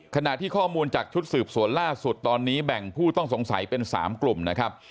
ขณะที่ข้อมูลจากชุดสืบสวนล่าสุดตอนนี้แบ่งผู้ต้องสงสัยเป็น๓กลุ่มนะครับ